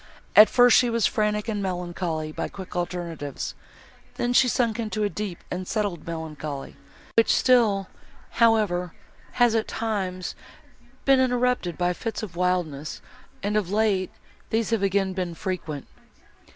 At first, she was frantic and melancholy by quick alternatives; then, she sunk into a deep and settled melancholy, which still, however, has, at times, been interrupted by fits of wildness, and, of late, these have again been frequent."